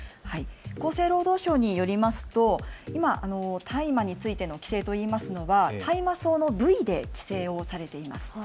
厚生労働省によりますと今、大麻についての規制といいますのは大麻草の部位で規制をされています。